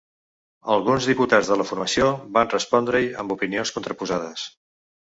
Alguns diputats de la formació van respondre-hi amb opinions contraposades.